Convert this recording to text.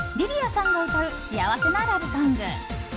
さんが歌う幸せなラブソング。